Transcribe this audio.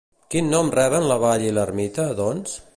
Quin nom reben la vall i l'ermita, doncs?